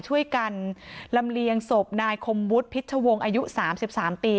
ช่วยกันลำเลียงศพนายคมวุฒิพิชวงศ์อายุ๓๓ปี